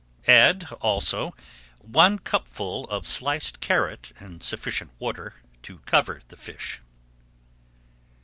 Add also one cupful of sliced carrot and sufficient water to cover the fish.